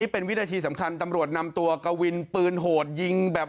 เป็นวินาทีสำคัญตำรวจนำตัวกวินปืนโหดยิงแบบ